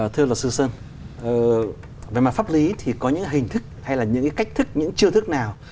thưa luật sư sơn về mặt pháp lý thì có những hình thức hay là những cái cách thức những chiêu thức nào